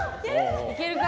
いけるか？